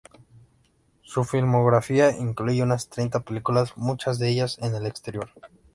Su filmografía incluye unas treinta películas, muchas de ellas en el exterior.